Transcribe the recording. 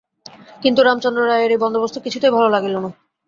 কিন্তু রামচন্দ্র রায়ের এ বন্দোবস্ত কিছুতেই ভাল লাগিল না।